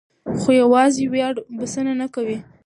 خو یوازې ویاړ بسنه نه کوي.